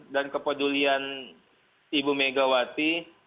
dan kepedulian ibu megawati